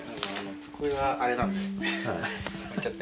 机があれなんで。